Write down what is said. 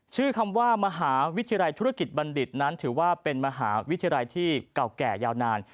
คำว่ามหาวิทยาลัยธุรกิจบัณฑิตนั้นถือว่าเป็นมหาวิทยาลัยที่เก่าแก่ยาวนาน